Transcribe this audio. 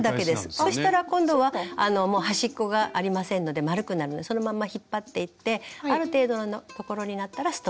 そしたら今度はもう端っこがありませんので丸くなるのでそのまんま引っ張っていってある程度のところになったらストップしましょう。